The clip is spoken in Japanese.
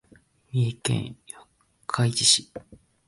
三重県四日市市